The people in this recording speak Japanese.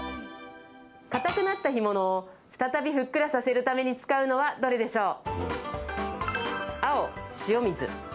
かたくなった干物を再びふっくらさせるために使うのはどれでしょう？